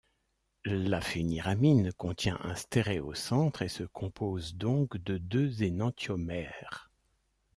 La phéniramine contient un stéréocentre et se compose donc de deux énantiomères.